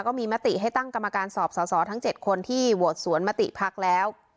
มติให้ตั้งกรรมการสอบสอสอทั้ง๗คนที่โหวตสวนมติพักแล้ว